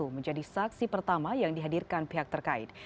menjadi saksi pertama yang dihadirkan pihak terkait